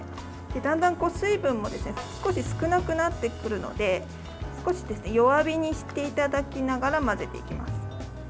だんだん水分も少なくなってくるので少し弱火にしていただきながら混ぜていきます。